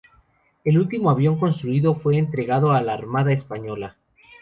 El último avión construido fue entregado a la Armada Española.